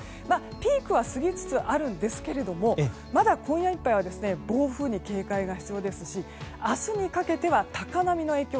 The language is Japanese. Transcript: ピークは過ぎつつあるんですけれどまだ今夜いっぱいは暴風に警戒が必要ですし明日にかけては高波の影響